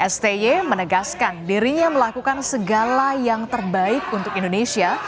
sty menegaskan dirinya melakukan segala yang terbaik untuk indonesia